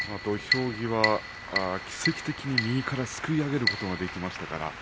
土俵際、奇跡的に右からすくい上げることができました。